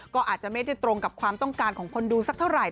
ก็อาจจะไม่ได้ตรงกับความต้องการของคนดูสักเท่าไหร